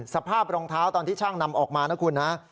สภาพรองเท้าตอนที่ช่างนำออกมานะคุณนะ